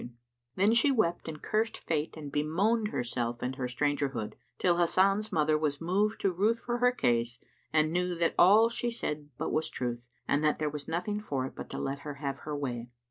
"[FN#87] Then she wept and cursed fate and bemoaned herself and her strangerhood, till Hasan's mother was moved to ruth for her case and knew that all she said was but truth and that there was nothing for it but to let her have her way.